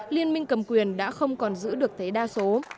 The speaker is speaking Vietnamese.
liên minh cầm quyền đã không còn giữ được thế đa số